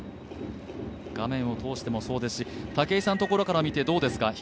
画面を通してもそうですし、武井さんのとここから見てどうですか？